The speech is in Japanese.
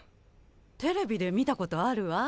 テレビで見たことあるわ。